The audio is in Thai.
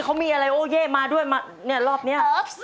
เขามีอะไรโอ้เย้มาด้วยรอบนี้